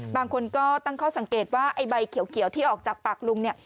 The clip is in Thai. บางคนก็ตั้งข้อสังเกตว่าไอ้ใบเขียวที่ออกจากปากลุงเนี่ย